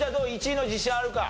１位の自信あるか？